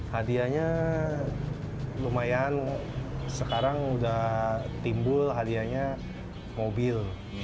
hadiahnya lumayan sekarang udah timbul hadiahnya mobil